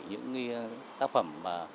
những tác phẩm